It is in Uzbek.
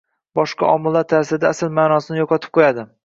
boshqa omillar ta’sirida asl ma’nosini yo‘qotib qo‘yadi